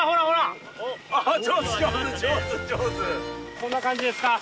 こんな感じですか？